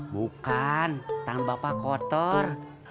bukan tangan bapak kotor